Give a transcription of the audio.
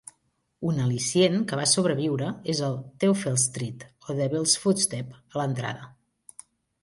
Un al·licient que va sobreviure és el "Teufelstritt", o Devil's Footstep, a l'entrada.